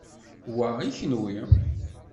Wa i kenwi.